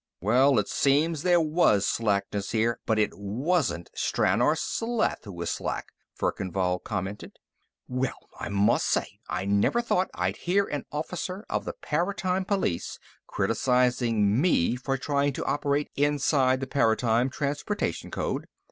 "Well, it seems there was slackness here, but it wasn't Stranor Sleth who was slack," Verkan Vall commented. "Well! I must say; I never thought I'd hear an officer of the Paratime Police criticizing me for trying to operate inside the Paratime Transposition Code!"